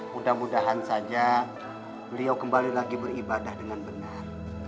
mudah mudahan saja beliau kembali lagi beribadah dengan benar